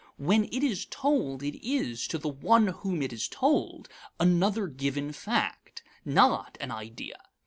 When it is told, it is, to the one to whom it is told, another given fact, not an idea.